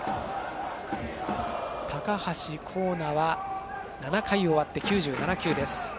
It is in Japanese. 高橋光成は７回終わって９７球です。